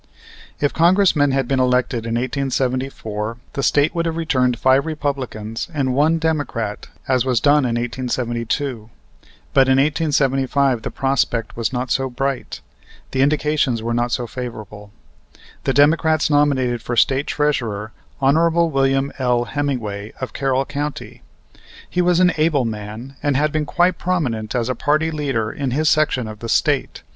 If Congressmen had been elected in 1874 the State would have returned five Republicans and one Democrat as was done in 1872; but in 1875 the prospect was not so bright, the indications were not so favorable. The Democrats nominated for State Treasurer Hon. Wm. L. Hemmingway, of Carroll County. He was an able man, and had been quite prominent as a party leader in his section of the State.